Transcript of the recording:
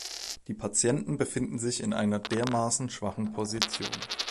Die Patienten befinden sich in einer dermaßen schwachen Position.